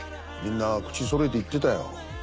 みんな口揃えて言ってたよ。